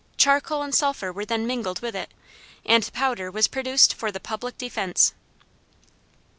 Charcoal and sulphur were then mingled with it, and powder was produced "for the public defense."